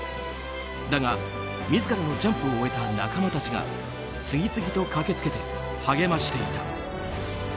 だが、自らのジャンプを終えた仲間たちが次々と駆けつけて励ましていた。